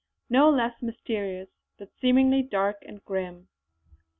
No less mysterious, but seemingly dark and grim.